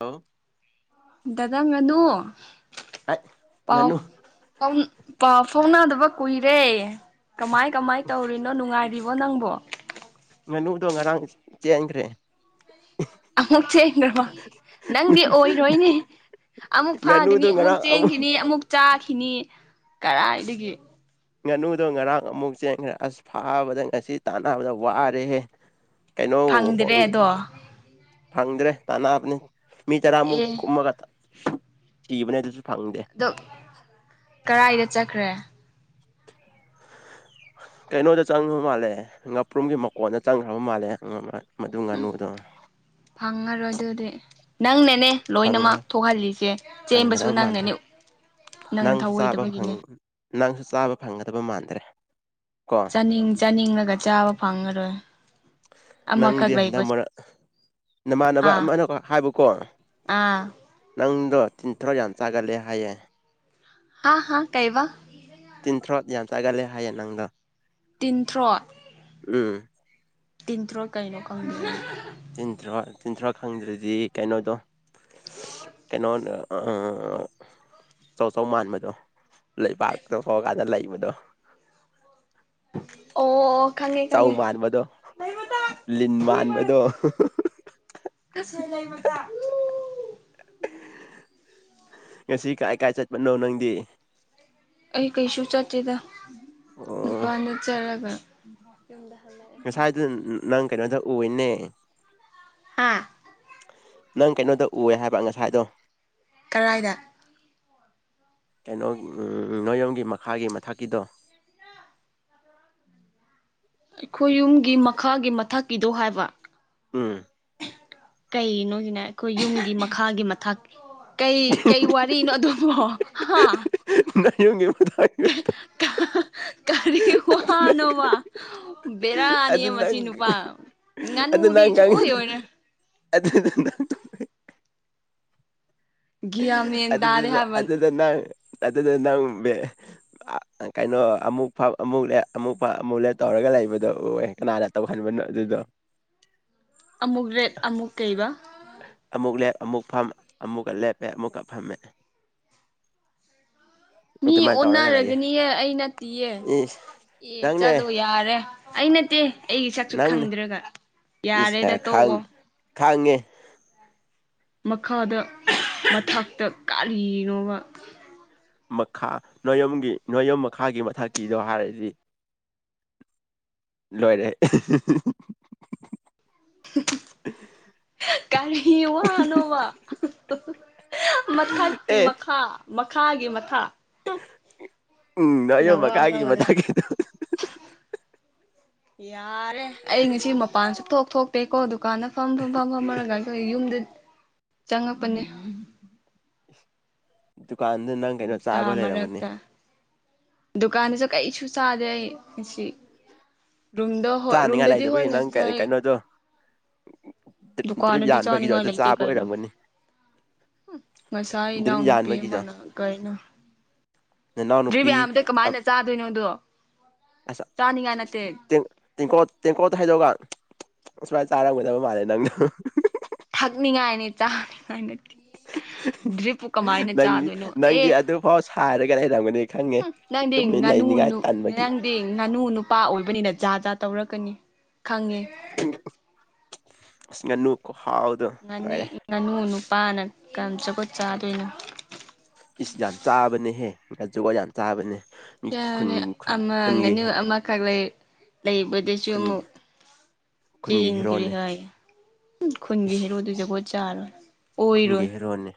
hello ꯗꯗꯪ ꯑꯗꯨꯨ ꯑꯩ ꯉꯥꯅꯨ ꯄ ꯐꯥꯎꯅꯗꯕ ꯀꯨꯏꯔꯦ ꯀꯃꯥꯏ ꯀꯃꯥꯏ ꯇꯧꯔꯤꯅꯣ ꯅꯨꯡꯉꯥꯏꯔꯤꯕꯣ ꯅꯪꯕꯣ ꯉꯅꯨꯗꯣ ꯉꯔꯥꯡ ꯆꯦꯟꯟꯈ꯭ꯔꯦ ꯑꯃꯨꯛ ꯆꯦꯟꯈ꯭ꯔꯕꯣ ꯅꯪꯗꯤ ꯑꯣꯏꯔꯣꯏꯅꯦ ꯑꯃꯨꯛ ꯐꯥꯒꯅꯤ ꯉꯥꯅꯨꯗꯣ ꯑꯃꯨꯛ ꯉꯔꯥꯡ ꯆꯦꯟꯈꯤꯅꯤ ꯑꯃꯨꯛ ꯆꯥꯈꯤꯅꯤ ꯀꯔꯥꯏꯗꯒꯤ ꯉꯥꯅꯨꯗꯣ ꯉꯔꯥꯡ ꯑꯃꯨꯛ ꯆꯦꯟꯈ꯭ꯔꯦ ꯑꯁ ꯐꯥꯕꯗ ꯉꯁꯤ ꯇꯥꯟꯅꯕꯗ ꯋꯥꯔꯦꯍꯦ ꯀꯩꯅꯣ ꯐꯪꯗ꯭ꯔꯦ ꯑꯗꯣ ꯐꯪꯗ꯭ꯔꯦ ꯇꯥꯟꯔꯕꯅꯤ ꯃꯤ ꯆꯔꯥꯃꯨꯛ ꯑꯦ ꯀꯨꯝꯃꯒ ꯁꯤꯤꯕꯅꯦ ꯑꯗꯨꯁꯨ ꯐꯪꯗꯦ ꯑꯗꯣ ꯀꯔꯥꯏꯗ ꯆꯠꯈ꯭ꯔꯦ ꯑꯉ ꯌꯥꯀꯣ ꯀꯩꯅꯣꯗ ꯆꯪꯉꯕ ꯃꯥꯜꯂꯦ ꯉꯥꯄ꯭ꯔꯨꯝꯒꯤ ꯃꯀꯣꯟꯗ ꯆꯪꯈ꯭ꯔꯕ ꯃꯥꯜꯂꯦ ꯃꯗꯨ ꯎꯝ ꯉꯥꯅꯨꯗꯣ ꯐꯪꯉꯔꯣꯏ ꯑꯗꯨꯗꯤ ꯅꯪꯅꯦ ꯅꯦ ꯂꯣꯏꯅꯃꯛ ꯐꯪꯒꯗ ꯊꯣꯛꯍꯜꯂꯤꯁꯦ ꯆꯦꯟꯕꯁꯨ ꯐꯪꯒꯗꯕ ꯃꯥꯟꯗ꯭ꯔꯦ ꯅꯪꯅꯅꯤ ꯅꯪꯁꯨ ꯆꯥꯕ ꯅꯪꯁꯨ ꯆꯥꯕ ꯐꯪꯒꯗꯕ ꯃꯥꯟꯗ꯭ꯔꯦ ꯀꯣ ꯆꯥꯅꯤꯡ ꯆꯥꯅꯤꯡꯉꯒ ꯆꯥꯕ ꯐꯪꯉꯔꯣꯏ ꯑꯃꯈꯛ ꯅꯪꯗꯤ ꯍꯟꯗꯛ ꯂꯩꯕꯁꯨ ꯃꯔꯛ ꯅꯃꯥꯟꯅꯕ ꯍꯥ ꯑꯃꯅ ꯍꯥꯏꯕꯀꯣ ꯑꯥ ꯅꯪ ꯑꯗꯣ ꯇꯤꯟꯊ꯭ꯔꯔꯥ ꯌꯥꯝ ꯆꯥꯒꯠꯂꯦ ꯍꯥꯏꯌꯦꯦ ꯍꯥꯥ ꯍꯥꯥ ꯀꯩ ꯋꯥ ꯇꯤꯟꯊ꯭ꯔꯣꯠ ꯌꯥꯝ ꯆꯥꯒꯠꯂꯦ ꯍꯥꯏꯌꯦ ꯅꯪꯗꯣ ꯇꯤꯟꯇ꯭ꯔꯣ ꯎꯝ ꯇꯤꯟꯇ꯭ꯔꯣ ꯀꯩꯩꯅ ꯀꯥꯟ ꯊ꯭ꯔ ꯆꯤꯟꯊ꯭ꯔꯥ ꯈꯪꯗ꯭ꯔꯗꯤ ꯀꯩꯅꯣꯗꯣ ꯀꯩꯅꯣꯗ ꯑꯧꯆꯧ ꯃꯥꯟꯕꯗꯣ ꯂꯩꯕꯥꯛꯇ ꯐꯥꯎꯔꯀꯥꯟꯗ ꯂꯩꯕꯗꯣ ꯑꯣ ꯑꯣ ꯈꯪꯉꯦ ꯆꯧ ꯈꯪꯉꯦ ꯃꯥꯟꯕꯗꯣ ꯂꯤꯟ ꯃꯥꯟꯕꯗꯣ ꯁ ꯂꯩꯏꯃ ꯇ ꯉꯁꯤ ꯀꯥꯏ ꯀꯥꯏ ꯆꯠꯄꯅꯣ ꯅꯪꯗꯤ ꯑꯩ ꯀꯩꯁꯨ ꯆꯠꯁꯤꯦꯗ ꯑꯣ ꯅꯨꯄꯥꯅꯤ ꯆꯠꯔꯒ ꯉꯁꯥꯏꯗꯨ ꯅꯪ ꯀꯩꯅꯣꯗ ꯎꯏꯅꯦ ꯍꯥꯥ ꯅꯪ ꯀꯩꯅꯣꯗ ꯎꯑ ꯍꯥꯏꯕ ꯉꯁꯥꯏꯗꯣ ꯀꯔꯥꯏꯗ ꯀꯩꯅꯣ ꯅꯣꯌꯣꯒꯤ ꯃꯈꯥꯒꯤ ꯃꯊꯛꯀꯤꯗꯣ ꯑꯩꯈꯣꯏ ꯌꯨꯝꯒꯤ ꯃꯈꯥꯒꯤ ꯃꯊꯛꯀꯤꯗꯣ ꯍꯥꯏꯕ ꯎꯝ ꯀꯩꯅꯣꯒꯤꯅꯦ ꯑꯩꯈꯣꯏ ꯌꯨꯝꯒꯤ ꯃꯈꯥꯒꯤ ꯃꯊꯀꯤ ꯀꯩ ꯀꯩ ꯋꯥꯔꯤꯅꯣ ꯑꯗꯨꯕꯣ ꯐ ꯀꯔꯤ ꯋꯥꯅꯣꯕ ꯕꯦꯔꯥꯅꯤ ꯑꯗꯨ ꯅꯪ ꯃꯁꯤ ꯅꯨꯄꯥ ꯉꯅ ꯑꯗꯨ ꯎꯗꯤ ꯅꯪ ꯑꯣꯏ ꯑꯣꯏꯅ ꯑꯗꯨ ꯒ꯭ꯌꯥꯟ ꯃꯦꯟ ꯑꯗꯨꯗꯨ ꯇꯥꯗꯦ ꯍꯥꯏꯕ ꯑꯗꯨꯗ ꯅ ꯑꯗ ꯅ ꯀꯩꯅꯣ ꯑꯃꯨꯛ ꯐ ꯑꯃꯨꯛ ꯂ ꯑꯃꯨꯛ ꯑꯃꯨꯛ ꯂꯦ ꯇꯧꯔꯒ ꯂꯩꯕꯗꯣ ꯑꯣꯏꯦ ꯀꯅꯥꯅ ꯇꯧꯍꯟꯕ ꯑꯗꯨ ꯑꯃꯨꯛ ꯔꯦꯠ ꯑꯃꯨꯛ ꯀꯩꯕ ꯑꯃꯨꯛ ꯂꯦꯞ ꯑꯃꯨꯛ ꯑꯃꯨꯛꯀ ꯂꯦꯞꯄꯦ ꯑꯃꯨꯛꯀ ꯐꯝꯃꯦꯦ ꯃꯤ ꯑꯣꯟꯅꯔꯒꯅꯤꯍꯦ ꯑꯩ ꯅꯠꯇꯦꯌꯦ ꯏꯁ ꯑꯦ ꯆꯠꯂꯣ ꯅꯪꯅꯦ ꯌꯥꯔꯦ ꯑꯩ ꯅꯠꯇꯦ ꯒꯤ ꯁꯛꯁꯨ ꯈꯪꯗ꯭ꯔꯒ ꯏꯁꯦ ꯌꯥꯔꯦꯗ ꯈꯥꯡ ꯇꯣꯛꯑꯣ ꯈꯥꯡꯉꯦ ꯃꯈꯥꯗ ꯃꯊꯛꯇ ꯀꯔꯤꯅꯣꯕ ꯃꯈꯥ ꯅꯣꯌꯒꯤ ꯅꯣꯌꯝ ꯃꯈꯥꯒꯤ ꯃꯊꯛꯀꯤꯗꯣ ꯍꯥꯏꯔꯗꯤ ꯂꯣꯏꯔꯦ ꯀꯔꯤ ꯋꯥꯅꯣꯃ ꯃꯊꯛꯀꯤ ꯑꯦ ꯃꯈꯥ ꯃꯈꯥꯒꯤ ꯃꯊꯥ ꯎꯝ ꯅꯏꯣ ꯃ ꯀꯥꯏꯒꯤ ꯅꯋꯥꯔꯧꯔꯦ ꯃꯖꯥ ꯀꯦꯗ ꯌꯥꯔꯦ ꯑꯩ ꯉꯁꯤ ꯃꯄꯥꯟꯁꯨ ꯊꯣꯛ ꯊꯣꯛꯇꯦꯀꯣ ꯗꯨꯀꯥꯟꯗ ꯐꯝ ꯊꯝ ꯐꯝ ꯐꯝꯃꯔꯒg ꯍꯣꯏ ꯌꯨꯝꯗ ꯆꯪꯉꯛꯄꯅꯦ ꯗꯨꯀꯥꯟꯗ ꯅꯪ ꯀꯩꯅꯣ ꯅꯨꯡꯁꯥ ꯆꯥꯕ ꯂꯩꯔꯝꯒꯅꯤ ꯃꯔꯛꯇ ꯗꯨꯀꯥꯟꯗꯁꯨ ꯀꯔꯤꯁꯨ ꯆꯥꯗꯦ ꯑꯩꯁꯤ ꯔꯨꯝꯗ ꯍꯣꯏ ꯆꯥꯅꯤꯡꯉꯥꯏ ꯔꯨꯝꯗꯗꯤ ꯍꯣꯏ ꯂꯩꯇꯕꯒꯤ ꯉ ꯅꯪ ꯀꯩ ꯍꯣꯏ ꯀꯩꯅꯣꯗꯣ ꯗ꯭ꯔꯤꯞ ꯗ꯭ꯔꯤꯞ ꯗꯨꯀꯥꯥꯟꯗꯤ ꯌꯥꯟꯕꯒꯤꯗꯣ ꯆꯖꯥꯅꯤꯉ ꯑꯗꯨ ꯂꯩꯦ ꯆꯥꯕ ꯀꯥꯏꯅꯣ ꯑꯣꯏꯔꯝꯒꯅꯤ ꯉꯁꯥ ꯗ꯭ꯔꯤꯝ ꯏꯅꯥꯎꯅꯨꯄꯤ ꯌꯥꯟꯕꯒꯤꯗꯣ ꯑꯃꯅ ꯀꯩꯅ ꯅꯅꯥꯎ ꯅꯨꯄꯤ ꯗ꯭ꯔꯤꯔꯤꯕꯌꯥꯝꯗ ꯀꯃꯥꯏꯅ ꯆꯥꯗꯣꯏꯅꯣꯗꯣ ꯑꯣꯀꯣ ꯇ ꯍꯥꯏꯦꯗꯧꯒ ꯑꯁꯨꯃꯥꯏꯅ ꯆꯥꯔꯝꯒꯗꯕ ꯃꯥꯜꯂꯦ ꯅꯪꯅ ꯊꯛꯅꯤꯡꯉꯥꯏꯅꯤ ꯆꯥꯅꯤꯡꯉꯥꯏꯅꯗꯤ ꯗ꯭ꯔꯤꯞꯄꯨ ꯀꯃꯥꯏꯅ ꯅꯪ ꯆꯥꯗꯣꯏꯅꯣ ꯑꯦ ꯅꯪꯗꯤ ꯑꯗꯨꯐꯥꯎ ꯁꯥꯏꯔꯒ ꯂꯩꯔꯝꯒꯅꯤ ꯈꯪꯉꯦ ꯅꯪꯗꯤ ꯇꯨꯃꯤꯟꯅ ꯉꯅꯨ ꯂꯩꯅꯤꯡꯉꯥꯏ ꯅ ꯇꯟꯕꯒꯤ ꯅꯪꯗꯤ ꯉꯥꯅꯨ ꯅꯨꯄꯥ ꯑꯣꯏꯕꯅꯤꯅ ꯖꯥ ꯖꯥ ꯇꯧꯔꯛꯀꯅꯤ ꯈꯪꯉꯦ ꯅꯅꯨ ꯀꯣ ꯉꯥꯅꯨ ꯅꯨꯄꯥꯅ ꯀꯔꯝ ꯆꯒꯣꯠ ꯆꯥꯗꯣꯏꯅꯣ ꯏꯁ ꯌꯥꯝ ꯆꯥꯕꯅꯦꯍꯦ ꯖꯨꯒ ꯌꯥꯝ ꯆꯥꯕꯅꯦ ꯃꯤ ꯌꯥꯅꯤ ꯈꯨꯟ ꯈꯨꯟ ꯈꯨꯟꯒꯤ ꯑꯃꯒꯅꯤ ꯑꯃꯈꯛ ꯂꯩ ꯂꯩꯕꯗꯁꯨ ꯈꯨꯟ ꯑꯃꯨꯛ ꯈꯨꯟꯒꯤ ꯆꯦꯡꯈ꯭ꯔꯦ ꯍꯦꯔꯣꯅꯦ ꯍꯥꯏ ꯈꯨꯟꯒꯤ ꯏꯁ ꯍꯦꯔꯨꯗ ꯖꯒꯣꯏ ꯆꯥꯂ ꯈꯨꯟꯒꯤ ꯍꯦꯔꯣꯟꯅꯦ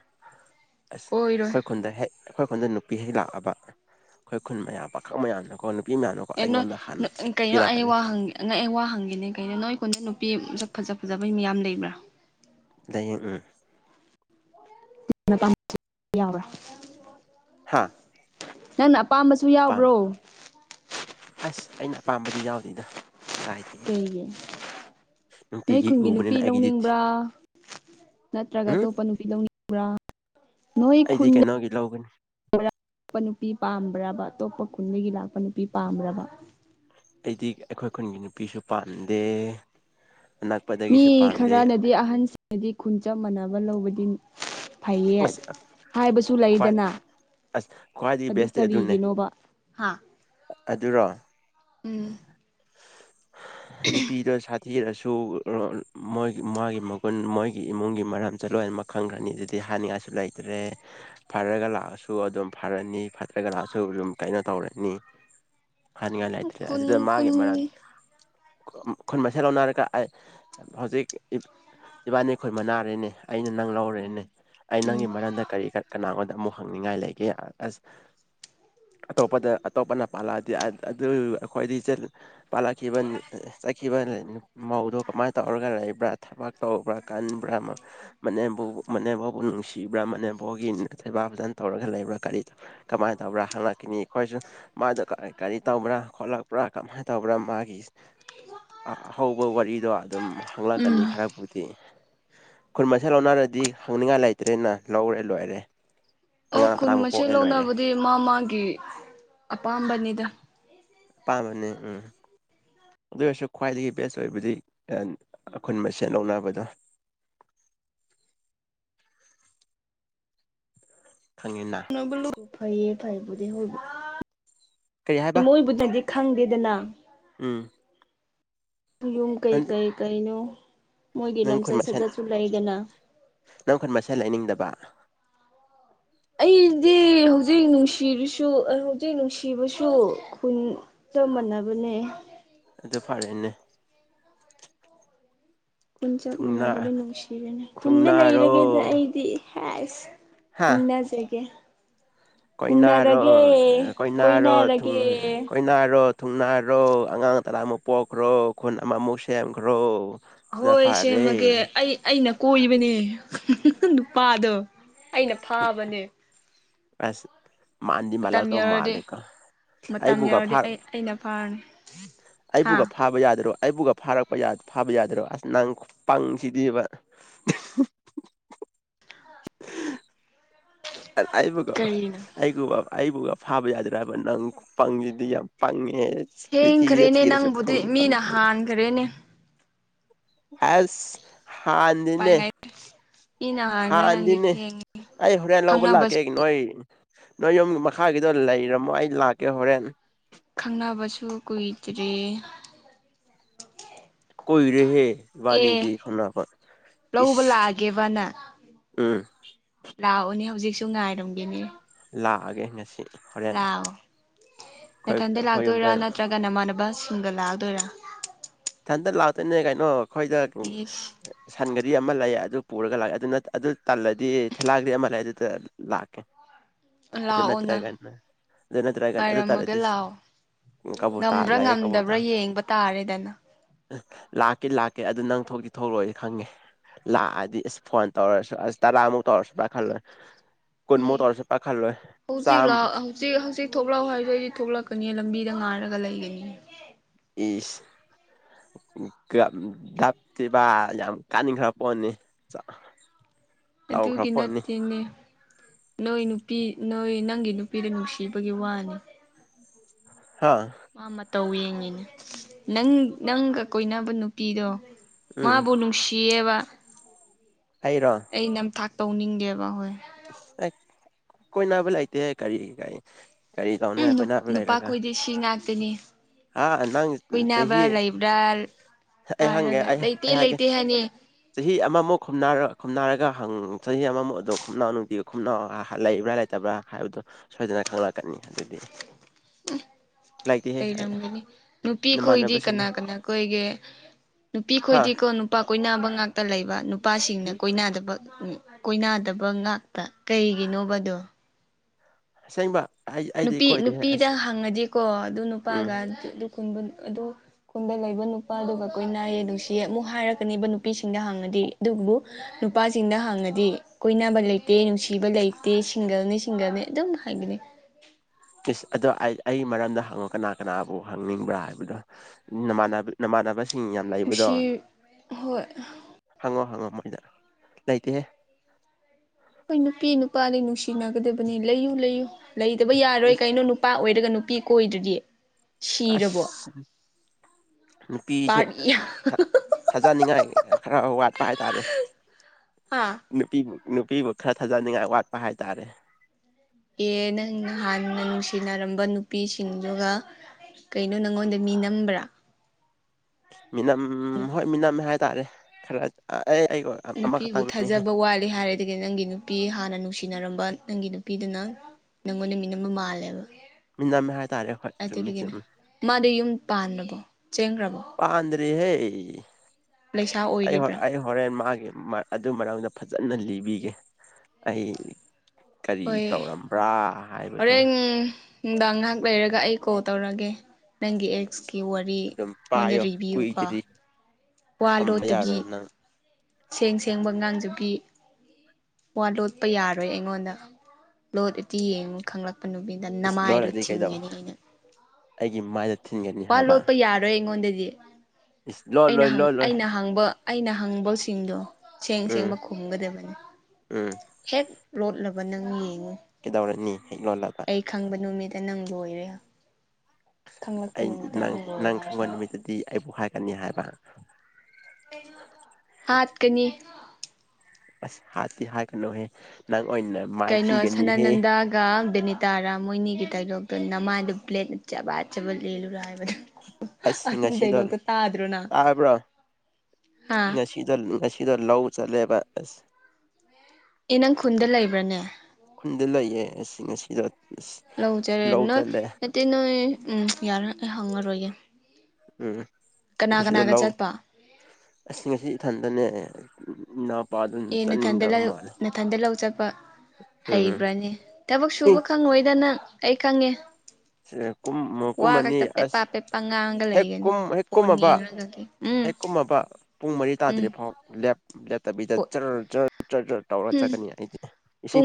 ꯑꯁ ꯑꯣꯏꯔꯣꯏ ꯑꯩꯈꯣꯏ ꯈꯨꯟꯗ ꯍꯦꯛ ꯑꯩꯈꯣꯏ ꯈꯨꯟꯗ ꯅꯨꯄꯤ ꯍꯩ ꯂꯥꯛꯂꯕ ꯑꯩꯈꯣꯏ ꯈꯨꯟ ꯃꯌꯥꯝ ꯄꯥꯈꯛ ꯃꯌꯥꯝꯅꯀꯣ ꯃꯌꯥꯝꯅꯀꯣ ꯑꯦ ꯅꯣꯏ ꯑꯩꯉꯣꯟꯗ ꯍꯥꯟꯅ ꯀꯩꯅꯣ ꯑꯩ ꯄꯤꯔꯛꯀꯅꯤ ꯋꯥꯪꯦ ꯅ ꯑꯩ ꯋꯥ ꯍꯪꯈꯤꯦꯅꯦ ꯀꯩꯅꯣ ꯅꯣꯏ ꯑꯩꯈꯣꯟꯗ ꯅꯨꯄꯤ ꯐꯖ ꯐꯖꯕꯩ ꯃꯌꯥꯝ ꯂꯩꯕ꯭ꯔꯥ ꯂꯩꯌꯦꯡ ꯎꯝ ꯅꯥ ꯌꯥꯎ꯭ꯔꯥ ꯍꯥꯥ ꯅꯪꯅ ꯑꯄꯥꯝꯕꯁꯨ ꯌꯥꯎꯕ꯭ꯔꯣ ꯑꯁ ꯑꯩꯅ ꯑꯄꯥꯝꯕꯗꯤ ꯌꯥꯎꯗꯗ ꯀꯩꯒꯤ ꯅꯣꯏ ꯅꯨꯡꯇꯤꯒꯤ ꯈꯨꯟꯒꯤ ꯅꯨꯄꯤ ꯎꯕꯅꯤꯅ ꯑꯩꯒꯤꯗꯤ ꯂꯧꯅꯤꯡꯕ꯭ꯔꯥ ꯅꯠꯇ꯭ꯔꯒ ꯎꯝ ꯑꯇꯣꯞꯄ ꯅꯨꯄꯤ ꯂꯧꯅꯤꯡꯕ꯭ꯔꯥ ꯅꯣꯏ ꯈꯨꯟ ꯑꯩꯗꯤ ꯀꯩꯅꯣꯒꯤ ꯂꯧꯒꯅꯤ ꯂꯄ ꯅꯨꯄꯤ ꯄꯥꯝꯕ꯭ꯔꯕ ꯑꯇꯣꯞꯄ ꯈꯨꯟꯗꯒꯤ ꯂꯥꯛꯄ ꯅꯨꯄꯤ ꯄꯥꯝꯕ꯭ꯔꯕ ꯑꯩꯗꯤ ꯑꯩꯈꯣꯏ ꯈꯨꯟꯒꯤ ꯅꯨꯄꯤꯁꯨ ꯄꯥꯝꯗꯦ ꯃꯤ ꯑꯅꯛꯄꯗꯒꯤꯁꯨ ꯄꯥꯝꯗꯦ ꯈꯔꯅꯗꯤ ꯑꯍꯟꯁꯤꯡꯅꯗꯤ ꯈꯨꯟ ꯆꯞ ꯃꯥꯟꯅꯕ ꯂꯧꯕꯗꯤ ꯐꯩꯌꯦ ꯑꯁ ꯍꯥꯏꯕꯁꯨ ꯈ꯭ꯋꯥꯏ ꯂꯩꯗꯅ ꯑꯁ ꯈ꯭ꯋꯥꯏꯗꯒꯤ ꯑꯗꯨ ꯕꯦꯁꯇꯤ ꯑꯗꯨꯅꯦ ꯀꯔꯤꯒꯤꯅꯣꯕ ꯑꯗꯨꯔꯣ ꯎꯝ ꯅꯨꯄꯤꯗ ꯁꯥ ꯇꯤꯀꯦꯠꯂꯁꯨ ꯃꯣꯏꯒꯤ ꯃꯥꯒꯤ ꯃꯒꯨꯟ ꯃꯣꯏꯒꯤ ꯏꯃꯨꯡꯒꯤ ꯃꯔꯝ ꯆꯠꯂꯣꯏꯅꯃꯛ ꯈꯪꯈ꯭ꯔꯅꯤ ꯑꯗꯨꯗꯤ ꯍꯥꯏꯍꯅꯤꯡꯉꯥꯏꯁꯨ ꯂꯩꯇ꯭ꯔꯦ ꯐꯔꯒ ꯂꯥꯛꯑꯁꯨ ꯑꯗꯨꯝ ꯐꯔꯅꯤ ꯐꯔꯒ ꯂꯥꯛꯑꯁꯨ ꯑꯗꯨꯝ ꯀꯩꯅꯣ ꯇꯧꯔꯅꯤ ꯍꯥꯏꯅꯤꯡꯉꯥꯏ ꯂꯩꯇ ꯈꯨꯟ ꯑꯗꯨꯗ ꯃꯥꯒꯤ ꯃꯔꯝ ꯈꯨꯟꯒꯤ ꯈ ꯃꯁꯦꯜꯂꯅꯥꯔꯀ ꯍꯧꯖꯤꯛ ꯏꯕꯥꯅꯤ ꯑꯩꯈꯣꯏ ꯃꯅꯥꯔꯦꯅꯦ ꯑꯩꯅ ꯅꯪ ꯂꯧꯔꯦꯅꯦ ꯎꯝ ꯑꯩ ꯅꯪꯒꯤ ꯎꯝ ꯃꯔꯝꯗ ꯀꯔꯤ ꯀꯅꯥꯒꯣꯗ ꯑꯃꯨꯛ ꯍꯪꯅꯤꯡꯉꯥꯏ ꯂꯩꯒꯦ ꯑꯁ ꯑꯇꯣꯞꯄꯗ ꯑꯇꯣꯞꯄꯅ ꯄꯥꯜꯂꯛꯑꯗꯤ ꯑꯩꯈꯣꯏ ꯆꯠꯈꯤꯕ ꯆꯠꯈꯤꯕ ꯃꯧꯗꯣ ꯀꯃꯥꯏꯅ ꯇꯧꯔꯒ ꯂꯩ ꯕ꯭ꯔꯥ ꯊꯕꯛ ꯇꯧꯕ꯭ꯔꯥ ꯀꯟꯕ꯭ꯔꯥ ꯃꯅꯦꯕꯨ ꯃꯅꯦꯐꯥꯎꯕꯨ ꯅꯨꯡꯁꯤꯕ꯭ꯔꯥ ꯃꯅꯦꯐꯥꯎꯒꯤ ꯁꯦꯕꯥ ꯐꯖꯅ ꯇꯧꯔꯒ ꯂꯩꯕ꯭ꯔꯥ ꯀꯔꯤ ꯀꯃꯥꯏꯅ ꯇꯧꯕ꯭ꯔꯥ ꯍꯪꯉꯛꯈꯤꯅꯤ ꯑꯩꯈꯣꯏꯁꯨ ꯃꯥꯗ ꯀꯔꯤ ꯇꯧꯕ꯭ꯔꯥ ꯈꯠꯂꯛꯄ꯭ꯔꯥ ꯀꯃꯥꯏꯅ ꯇꯧꯕ꯭ꯔꯥ ꯃꯥ ꯍꯧꯕ ꯋꯥꯔꯤꯗꯣ ꯑꯗꯨꯝ ꯍꯪꯂꯛꯀꯅꯤ ꯎꯝ ꯈꯔꯕꯨꯗꯤ ꯈꯨꯟ ꯃꯁꯦꯜ ꯂꯧꯅꯔꯗꯤ ꯍꯪꯅꯤꯡꯉꯥꯏ ꯂꯩꯇ꯭ꯔꯦꯅ ꯂꯧꯔꯦ ꯂꯣꯏꯔꯦ ꯑꯣ ꯑꯉꯥꯡ ꯈꯨꯟ ꯇꯔꯥꯃꯨꯛ ꯃꯆꯦ ꯄꯣꯛꯑꯦ ꯂꯣꯏꯔꯦ ꯂꯧꯅꯕꯗꯤ ꯃꯥ ꯃꯥꯒꯤ ꯑꯄꯥꯝꯕꯅꯤꯗ ꯄꯥꯝꯕꯅꯦ ꯎꯝ ꯑꯗꯨ ꯑꯣꯏꯔꯁꯨ ꯈ꯭ꯋꯥꯏꯗꯒꯤ ꯕꯦꯁ ꯑꯣꯏꯕꯗꯤ ꯑꯩꯈꯣꯏꯟ ꯃꯁꯦꯟ ꯂꯧꯅꯕꯗꯣ ꯑ ꯈꯪꯉꯤꯅ ꯐꯌꯦ ꯐꯕꯨꯗꯤ ꯀꯔꯤ ꯍꯥꯏꯕ ꯃꯕꯨ ꯈꯪꯗꯦꯗꯅ ꯎꯝ ꯌꯨꯝ ꯀꯩ ꯅꯪꯗꯤ ꯀꯩ ꯀꯔꯤꯅꯣ ꯅꯪ ꯈꯨꯠ ꯃꯁꯦꯟ ꯅꯪ ꯈꯨꯠ ꯃꯁꯦꯜ ꯂꯩꯅꯤꯡꯗꯕ ꯑꯩꯗꯤ ꯍꯧꯖꯤꯛ ꯅꯨꯡꯁꯤꯔꯁꯨ ꯍꯧꯖꯤꯛ ꯅꯨꯡꯁꯤꯕꯁꯨ ꯈꯨꯟ ꯆ ꯃꯅꯕꯨꯅꯦ ꯑꯗꯨ ꯐꯔꯦꯅꯦ ꯈꯨꯟ ꯆꯞ ꯃꯥꯟꯅꯕꯅ ꯊꯨꯡꯅ ꯅꯨꯡꯁꯤꯔꯅꯤ ꯈꯨꯟꯗ ꯊꯨꯡꯅꯔꯣ ꯂꯩꯔꯒꯦꯗ ꯑꯩꯗꯤ ꯍꯦꯁ ꯍꯥ ꯄꯨꯟꯅꯁꯒꯦ ꯀꯣꯏꯅꯥꯔꯣ ꯀꯣꯏꯅꯥꯔꯣ ꯊ ꯀꯣꯏꯅꯔꯒꯦ ꯀꯣꯏꯅꯥꯔꯣ ꯊꯨꯡꯅꯥꯔꯣ ꯑꯉꯥꯡ ꯇꯔꯥꯃꯨꯛ ꯄꯣꯛꯈ꯭ꯔꯣ ꯈꯨꯟ ꯑꯃꯃꯨꯛ ꯁꯦꯝꯈ꯭ꯔꯣ ꯁꯤꯅ ꯍꯣꯏ ꯁꯦꯝꯃꯒꯦ ꯐꯔꯦ ꯑꯩ ꯑꯩꯅ ꯀꯣꯏꯕꯅꯦ ꯅꯨꯄꯥꯗꯣ ꯑꯩꯅ ꯐꯥꯕꯅꯦ ꯑꯁ ꯃꯥꯟꯗꯤ ꯃꯇꯝ ꯃꯥꯜꯂꯛꯇꯧ ꯌꯧꯔꯗꯤ ꯃꯥꯜꯂꯦꯀꯣ ꯃꯇꯝ ꯑꯩꯕꯨꯒ ꯌꯧꯔꯗꯤ ꯐꯥ ꯑꯩ ꯑꯩꯅ ꯐꯥꯔꯅꯤ ꯍꯥ ꯑꯩꯕꯨꯒ ꯐꯥꯕ ꯌꯥꯗ꯭ꯔꯣ ꯑꯩꯕꯨꯒ ꯐꯥꯔꯛꯄ ꯐꯥꯕ ꯌꯥꯗ꯭ꯔꯣ ꯑꯁ ꯅꯪ ꯄꯪꯁꯤꯗꯤꯕ ꯑ ꯑꯕꯒꯣ ꯀꯔꯤꯅꯣ ꯑꯀꯨ ꯕꯥ ꯑꯩꯕꯨꯒ ꯐꯥꯕ ꯌꯥꯗ꯭ꯔꯥ ꯍꯥꯏꯕ ꯅꯪ ꯄꯪꯁꯤꯗꯤ ꯌꯥꯝ ꯄꯪꯉꯤ ꯑꯦ ꯄ꯭ꯊꯤꯕꯤꯗ ꯊꯦꯡꯈ꯭ꯔꯦꯅꯦ ꯊꯔꯁ ꯅꯪꯕꯨꯗꯤ ꯐꯪ ꯐꯪ ꯃꯤꯅ ꯐꯪ ꯍꯥꯟꯈ꯭ꯔꯦꯅꯦ ꯑꯦꯁ ꯎꯄꯥꯏ ꯍꯥꯟꯗꯅꯦ ꯂꯩꯇ꯭ꯔꯦ ꯃꯤꯅ ꯍꯥꯟꯈ꯭ꯔꯦ ꯅꯪꯗꯤ ꯍꯥꯟꯥꯟꯗꯤꯅꯦ ꯊꯦꯡꯉꯦ ꯑꯩ ꯍꯣꯔꯦꯟ ꯂꯧꯕ ꯈꯪꯅꯕ ꯂꯥꯛꯀꯦ ꯅꯣꯏ ꯅꯣꯏ ꯌꯨꯝꯒꯤ ꯃꯈꯥꯒꯤꯗꯣ ꯂꯩꯔꯝꯃꯣ ꯑꯩ ꯂꯥꯛꯀꯦ ꯍꯣꯔꯦꯟ ꯈꯪꯅꯕꯁꯨ ꯀꯨꯏꯗ꯭ꯔꯔꯤ ꯀꯣꯏꯔꯦꯍꯦ ꯋꯥꯕꯥꯅꯤꯗꯤ ꯈꯅꯥꯄ ꯏ ꯂꯧꯕ ꯂꯥꯛꯑꯒꯦꯕ ꯅꯪ ꯎꯝ ꯂꯥꯛꯑꯣꯅꯦ ꯍꯧꯖꯤꯛꯁꯨ ꯉꯥꯏꯔꯝꯒꯦꯅꯤ ꯂꯥꯛꯑꯒꯦ ꯉꯁꯤ ꯍꯣꯔꯦꯟ ꯑꯩꯈꯣꯏ ꯅꯊꯟꯗ ꯑꯩꯈꯣꯏ ꯌꯨꯝꯗ ꯂꯥꯛꯇꯣꯏꯔꯥ ꯅꯠꯇ꯭ꯔꯒ ꯅꯃꯥꯟꯅꯕ ꯁꯁꯤꯡꯗ ꯂꯥꯛꯑꯗꯣꯏꯔꯥ ꯏꯟꯇ ꯂꯥꯛꯇꯣꯏꯅꯦ ꯀꯩꯅꯣ ꯑꯩꯈꯣꯏꯗ ꯏꯁ ꯁꯟꯒꯥꯔꯤ ꯑꯃ ꯂꯩ ꯑꯗꯨ ꯄꯨꯔꯒ ꯂꯥꯛꯑꯦ ꯑꯗꯨꯅ ꯑꯗꯨ ꯇꯜꯂꯗꯤ ꯊꯦꯂꯥꯗꯤ ꯑꯃ ꯂꯩꯦ ꯑꯗꯨꯗ ꯂꯥꯛꯀꯦ ꯑꯗꯨ ꯂꯥꯛꯑꯣꯅ ꯅꯠꯇ꯭ꯔꯥꯒꯥꯟ ꯑꯗꯨ ꯅꯠꯇ꯭ꯔꯥꯒꯥꯟ ꯑꯗꯨ ꯉꯥꯏꯔꯝꯃꯒ ꯇꯥꯔꯦꯗꯤꯁꯨ ꯂꯥꯛꯑꯣ ꯀꯕꯨꯇꯔ ꯉꯝꯕ꯭ꯔꯥ ꯂꯌꯦ ꯀꯕꯨ ꯇ ꯉꯝꯗꯕ꯭ꯔꯥ ꯌꯦꯡꯕ ꯇꯥꯔꯦꯗꯅ ꯂꯥꯛꯀꯦ ꯂꯥꯛꯀꯦ ꯑꯗꯨ ꯅꯪ ꯊꯣꯛꯇꯤ ꯊꯣꯛꯂꯑꯣꯅ ꯈꯪꯉꯦ ꯂꯥꯛꯑꯗꯤ ꯑꯁ ꯐꯣꯟ ꯇꯧꯔꯁꯨ ꯑꯁ ꯇꯔꯥꯃꯨꯛ ꯇꯧꯔꯁꯨꯕ꯭ꯔꯥ ꯈꯜꯂꯣ ꯀꯟꯃꯣ ꯑꯦ ꯇꯧꯔꯄꯥ ꯈꯜꯂ ꯍꯧꯖꯤꯛ ꯂꯥꯎ ꯍꯧꯖꯤꯛ ꯍꯧꯖꯤꯛ ꯊꯣꯛꯂꯛꯑꯣ ꯍꯥꯏꯗꯣ ꯑꯩꯗꯤ ꯊꯣꯛꯂꯛꯀꯅꯤ ꯂꯝꯕꯤꯗ ꯉꯥꯏꯔꯒ ꯂꯩꯒꯅꯤ ꯏ ꯞ ꯊꯤꯚ ꯌꯥꯝ ꯀꯥꯅꯤꯡꯈ꯭ꯔ ꯄꯣꯠꯅꯤ ꯇꯧꯈ꯭ꯔ ꯄꯣꯠꯅꯤ ꯑꯗꯨꯒꯤꯅꯠꯇꯅꯤ ꯅꯣꯏ ꯅꯨꯄꯤ ꯅꯣꯏ ꯅꯪꯒꯤ ꯅꯨꯄꯤꯗ ꯅꯨꯡꯁꯤꯕꯒꯤ ꯋꯥꯅꯤ ꯍꯥ ꯇꯧꯋꯡꯉꯤꯅꯦ ꯅꯪ ꯅꯪꯒ ꯀꯣꯏꯅꯕ ꯅꯨꯄꯤꯗꯣ ꯎꯝ ꯃꯥꯕꯨ ꯅꯨꯡꯁꯤꯌꯦꯕ ꯑꯩ ꯅꯝꯊꯥꯛ ꯇꯧꯅꯤꯡꯗꯦꯕ ꯍꯣꯏ ꯀꯣꯏꯅꯥꯕꯨ ꯂꯩꯥꯏꯇꯦ ꯀꯔꯤ ꯀꯥꯏ ꯀꯔꯤ ꯇꯧꯅꯤ ꯎꯝ ꯑꯩꯈꯣꯏ ꯅꯥꯄ ꯂꯩꯔꯒ ꯅꯨꯄꯥꯈꯣꯏꯗꯤ ꯁꯤ ꯉꯥꯛꯇꯅꯤ ꯍꯥꯥ ꯅꯪ ꯀꯣꯏꯅꯕ ꯆꯍꯤꯍꯤꯌꯦ ꯂꯩꯕ꯭ꯔꯥ ꯑꯩꯍꯪꯒꯦ ꯍꯥꯏꯔꯒ ꯑꯩꯍ ꯂꯩꯇꯦ ꯑꯩꯍꯥꯛꯒꯦ ꯂꯩꯇꯦ ꯍꯥꯏꯅꯤ ꯆꯍꯤ ꯑꯃꯃꯨꯛ ꯈꯔ ꯈꯨꯝꯅꯔꯒ ꯍꯪ ꯆꯍꯤ ꯑꯃꯃꯨꯛ ꯑꯗꯨꯝ ꯈꯨꯝꯅꯥꯎ ꯅꯨꯡꯄꯤ ꯈꯨꯝꯅꯥꯎ ꯂꯩꯕ꯭ꯔꯥ ꯂꯩꯇꯕ꯭ꯔꯥ ꯍꯥꯏꯕꯗꯣ ꯁꯣꯏꯗꯅ ꯈꯪꯂꯛꯀꯅꯤ ꯑꯗꯨꯗꯤ ꯂꯩꯇꯦꯍꯦ ꯑꯩ ꯂꯩꯔꯝꯒꯅꯤ ꯅꯨꯄꯤ ꯈꯣꯏꯗꯤ ꯀꯅꯥ ꯅꯃꯥꯟꯅꯕꯁꯤꯡꯗꯣ ꯀꯅꯥꯈꯣꯏꯒꯤ ꯅꯨꯄꯤ ꯍꯥ ꯈꯣꯏꯗꯤꯀꯣ ꯅꯨꯄꯥ ꯀꯣꯏꯅꯕ ꯉꯥꯛꯇ ꯂꯩꯕ ꯅꯨꯄꯥꯁꯤꯡꯅ ꯎꯝ ꯀꯣꯏꯅꯗꯕ ꯀꯣꯏꯅꯗꯕ ꯉꯥꯛꯇ ꯀꯩꯒꯤꯅꯣꯕꯗꯣ ꯁꯦꯡꯕ ꯅꯨꯄꯤ ꯅꯨꯄꯤꯗ ꯍꯪꯉꯗꯤꯀꯣ ꯑꯗꯨ ꯎꯝ ꯅꯨꯄꯥꯒ ꯑꯗꯨ ꯈꯨꯟꯕꯨ ꯑꯗꯨ ꯈꯨꯟꯗ ꯂꯩꯕ ꯅꯨꯄꯥ ꯑꯗꯨꯒ ꯀꯈꯣꯏ ꯅꯥꯏꯌꯦ ꯅꯨꯡꯁꯤꯌꯦ ꯑꯃꯨꯛ ꯍꯥꯏꯔꯛꯀꯅꯦꯕ ꯅꯨꯄꯤꯁꯤꯡꯗ ꯍꯥꯡꯉꯗꯤ ꯑꯗꯨ ꯑꯗꯨꯕꯨ ꯅꯨꯄꯥꯁꯤꯡꯅ ꯍꯪꯉꯗꯤ ꯀꯣꯏꯅꯕ ꯂꯩꯇꯦ ꯅꯨꯡꯁꯤꯕ ꯂꯩꯇꯦ ꯁꯤꯡꯒꯜꯅꯤ ꯁꯤꯡꯒꯜꯅꯤ ꯍꯥꯏꯒꯅꯦ ꯏꯁ ꯑꯗꯣ ꯑꯩ ꯑꯩ ꯃꯔꯝꯗ ꯍꯪꯉ ꯀꯅꯥ ꯀꯅꯥꯕꯨ ꯍꯪꯅꯤꯡꯕ꯭ꯔꯥ ꯍꯥꯏꯕꯗꯣ ꯅꯥꯟ ꯅꯃꯥꯟꯅꯕ ꯏꯁꯤꯡ ꯌꯥꯝ ꯂꯩꯕꯗꯣ ꯅꯨꯡꯁꯤ ꯍꯣꯏ ꯍꯪꯉꯣ ꯍꯪꯉꯣ ꯃꯣꯏꯗ ꯂꯩꯇꯦꯍꯦ ꯍꯣꯏ ꯅꯨꯄꯤ ꯅꯨꯄꯥꯗ ꯅꯨꯡꯁꯤꯅꯒꯗꯕꯅꯤ ꯂꯩꯌꯨ ꯂꯩꯌꯨ ꯂꯩꯇꯕ ꯌꯥꯔꯣꯏ ꯀꯩꯅꯣ ꯅꯨꯄꯥ ꯑꯣꯏꯔꯒ ꯅꯨꯄꯤ ꯀꯣꯏꯗꯗꯤ ꯑ ꯄꯥꯔꯌꯥ ꯊꯥꯖꯅꯤꯡꯉꯥꯏ ꯈꯔ ꯋꯥꯠꯄ ꯍꯥꯏꯇꯥꯔꯦ ꯍꯥ ꯅꯨꯄꯤꯕꯨ ꯅꯨꯄꯤꯕꯨ ꯈꯔ ꯊꯥꯖꯅꯤꯡꯉꯥꯏ ꯋꯥꯠꯄ ꯍꯥꯏꯇꯥꯔꯦ ꯑꯦ ꯅꯪ ꯅ ꯍꯥꯟꯅ ꯅꯨꯡꯁꯤꯅꯔꯝꯕ ꯅꯨꯄꯤꯁꯤꯡꯗꯨꯒ ꯀꯩꯅꯣ ꯅꯪꯉꯣꯟꯗ ꯃꯤ ꯅꯝꯕ꯭ꯔꯥ ꯃꯤꯅꯝ ꯍꯣꯏ ꯃꯤꯅꯝꯃꯦ ꯍꯥꯏꯇꯥꯔꯦ ꯈꯔ ꯑꯩ ꯑꯩꯒ ꯅꯨꯄꯤꯕꯨ ꯑꯃꯈꯛꯇꯪꯅꯤ ꯊꯥꯖꯕ ꯋꯥꯠꯂꯤꯦ ꯍꯥꯏꯔ ꯑꯗꯒꯤ ꯅꯪꯒꯤ ꯅꯨꯄꯤ ꯍꯥꯟꯅ ꯅꯨꯡꯁꯤꯅꯔꯝꯕ ꯅꯪꯒꯤ ꯅꯨꯄꯤꯗꯨꯅ ꯅꯪꯉꯣꯟ ꯅꯨꯃꯤꯠ ꯑꯃ ꯃꯥꯜꯂꯦꯕ ꯃꯤ ꯅꯝꯃꯦ ꯍꯥꯏꯇꯥꯥꯔꯦ ꯍꯣꯏ ꯆꯨꯝꯃꯤ ꯑꯗꯨꯗꯨꯒꯤꯅꯦ ꯆꯨꯝꯃꯤ ꯃꯥꯗꯤ ꯌꯨꯝ ꯄꯥꯟꯕꯕꯣ ꯆꯦꯡꯈ꯭ꯔꯕꯣ ꯄꯥꯟꯗ꯭ꯔꯤꯍꯦ ꯑꯩ ꯍ ꯑꯩ ꯍꯣꯔꯦꯟ ꯃꯥ ꯑꯗꯨ ꯃꯔꯝꯗ ꯐꯖꯅ ꯂꯤꯕꯤꯒꯦ ꯑꯩ ꯀꯔꯤ ꯍꯣꯏ ꯇꯧꯔꯝꯕ꯭ꯔꯥ ꯍꯥꯏꯕꯗꯣ ꯍꯣꯔꯦꯟ ꯅꯨꯡꯗꯥꯡ ꯉꯥꯏꯍꯥꯛ ꯂꯩꯔꯒ ꯑꯩ ꯀꯣꯜ ꯇꯧꯔꯒꯦ ꯅꯪꯒꯤ ꯑꯦꯛꯁꯀꯤ ꯋꯥꯔꯤ ꯑꯗꯨꯝ ꯑꯩꯉꯣꯟꯗ ꯄꯥꯏꯌꯣ ꯂꯤꯕꯤꯌꯨ ꯀꯣ ꯀꯨꯏꯗ꯭ꯔꯤ ꯊꯝꯕ ꯌꯥꯔꯣꯏꯅ ꯁꯦꯡ ꯁꯦꯡꯕ ꯉꯥꯡꯖꯕꯤ ꯋꯥ ꯂꯣꯠꯄ ꯌꯥꯔꯣꯏ ꯑꯩꯉꯣꯟꯗ ꯂꯣꯠꯂꯗꯤ ꯌꯦꯡꯉꯨ ꯈꯪꯂꯛꯄ ꯑꯄ ꯅꯨꯕꯤꯗ ꯏꯁ ꯅꯃꯥꯏꯔꯨ ꯂꯣꯏꯔꯗꯤ ꯀꯩꯗꯧ ꯆꯤꯡꯒꯅꯤ ꯑꯩꯅ ꯑꯩꯒꯤ ꯃꯥꯏꯗ ꯊꯤꯟꯒꯅꯤ ꯋꯥ ꯂꯣꯠꯄ ꯌꯥꯔꯣꯏ ꯑꯩꯉꯣꯟꯗꯗꯤ ꯑ ꯑꯩꯅ ꯍ ꯑꯩꯅ ꯍꯪꯕ ꯑꯩꯅ ꯍꯪꯕꯁꯤꯡꯗꯣ ꯁꯦꯡ ꯎꯝ ꯁꯦꯡꯕ ꯈꯨꯝꯒꯗꯕꯅꯤ ꯎꯝ ꯍꯦꯛ ꯂꯣꯠꯂꯕ ꯅꯪ ꯌꯦꯡꯉꯤ ꯀꯩꯗꯧꯔꯅꯤ ꯍꯦꯛ ꯂꯣꯜꯂꯕ ꯑꯩ ꯈꯪꯕ ꯅꯨꯃꯤꯠꯇ ꯅꯪ ꯂꯣꯏꯔꯦ ꯈꯪꯂꯛꯄ ꯑꯩ ꯅꯨꯃꯤꯠꯇ ꯅꯪ ꯂꯣꯏꯔꯦ ꯅꯪ ꯈꯪꯕ ꯍꯥꯏꯔꯁꯅꯨ ꯅꯨꯃꯤꯠꯇꯗꯤ ꯑꯩꯕꯨ ꯍꯥꯏꯀꯅꯤ ꯍꯥꯏꯕ ꯍꯥꯠꯀꯅꯤ ꯑꯁ ꯍꯥꯗꯤ ꯍꯥꯏ ꯀꯅꯣꯍꯦ ꯅꯪ ꯑꯣꯏꯅ ꯃꯥꯏ ꯀꯩꯅꯣ ꯊꯤꯒꯅꯤꯍꯦ ꯁꯅꯥꯅꯟꯗꯥꯒ ꯕꯦꯅꯤꯇꯥꯔꯥ ꯃꯣꯏꯅꯤꯒꯤ ꯗꯥꯏꯂꯣꯛꯇꯣ ꯅꯃꯥꯗꯤ ꯕꯂꯦꯠꯅ ꯆꯕꯠ ꯆꯕꯥꯠ ꯂꯦꯜꯂꯨꯔꯥ ꯍꯥꯏꯕꯗꯨ ꯑꯁ ꯉꯁꯤꯗ ꯅꯪ ꯇꯥꯕ꯭ꯔꯣ ꯍꯥ ꯉꯁꯤꯗꯣ ꯉꯁꯤ ꯏꯗꯣ ꯂꯧ ꯆꯠꯂꯦꯕ ꯑꯁ ꯑꯦ ꯅꯪ ꯈꯨꯟꯗ ꯂꯩꯕ꯭ꯔꯅꯦ ꯈꯨꯟꯗ ꯂꯩꯌꯦ ꯑꯁ ꯉꯁꯤꯗꯣ ꯑꯁ ꯂꯧ ꯆꯔꯦ ꯅꯣꯏ ꯅꯣꯏ ꯎꯝ ꯌꯥ ꯑꯩ ꯍꯪꯉꯔꯣꯏꯒꯦ ꯎꯝ ꯀꯅꯥ ꯁꯤꯗ ꯀꯅꯥꯒ ꯂꯧ ꯆꯠꯄ ꯑꯁ ꯉꯁꯤ ꯏꯊꯟꯗꯅꯦ ꯅ ꯑꯦ ꯅꯥꯊꯟꯗ ꯅꯥꯊꯟꯗ ꯂꯧ ꯆꯠꯄ ꯎꯝ ꯍꯩꯕ꯭ꯔꯅꯤ ꯊꯕꯛ ꯁꯨꯕ ꯈꯪꯉꯣꯏꯗꯅꯪ ꯑꯩ ꯈꯪꯉꯦ ꯁꯦ ꯀꯨꯝ ꯋꯥ ꯀꯨꯝꯃꯅꯤ ꯈꯛꯇ ꯑꯁ ꯄꯦꯠꯄꯥ ꯄꯦꯠꯄꯥ ꯉꯥꯡꯒ ꯍꯦꯛ ꯂꯩꯒꯅꯤ ꯀꯨꯝ ꯍꯦꯛ ꯐꯣꯟ ꯀꯨꯝꯃꯕ ꯌꯦꯡꯔꯒ ꯎꯝ ꯎꯝ ꯍꯦꯛ ꯀꯨꯝꯃꯕ ꯄꯨꯡ ꯃꯔꯤ ꯎꯝ ꯇꯥꯗ꯭ꯔꯤ ꯐꯥꯎ ꯂꯦꯞ ꯂꯠꯇꯕꯤꯗ ꯄꯨꯡ ꯆ ꯆ ꯇꯧꯔ ꯆꯠꯀꯅꯤ ꯍꯥꯏꯗꯤ ꯏꯁꯤꯡ